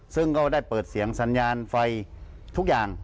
ซึ่งก็ได้เปิดเสียงสัญญาณไฟทุกอย่าง